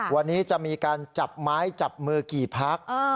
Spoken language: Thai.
วันนี้จะมีการจับไม้จับมือกี่พัก